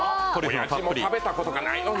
おやじも食べたことないのに！